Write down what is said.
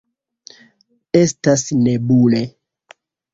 Estas nebule.